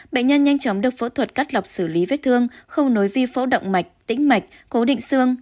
bệnh nhân nhanh chóng được phẫu thuật cắt lọc xử lý vết thương không nối vi phẫu động mạch tĩnh mạch cố định xương